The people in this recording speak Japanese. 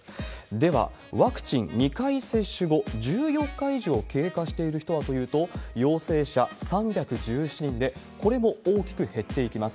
では、ワクチン２回接種後、１４日以上経過している人はというと、陽性者３１７人で、これも大きく減っていきます。